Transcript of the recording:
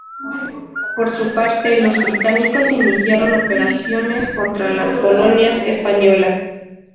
Por su parte, los británicos iniciaron operaciones contra las colonias españolas.